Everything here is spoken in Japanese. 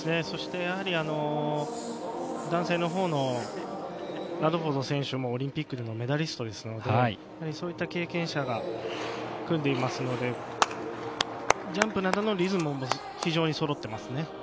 そして、男性のほうのラドフォード選手もオリンピックでのメダリストですのでそういった経験者が組んでいますのでジャンプなどのリズムも非常にそろっていますね。